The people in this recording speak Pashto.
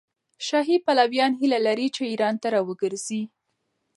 شاهي پلویان هیله لري چې ایران ته راوګرځي.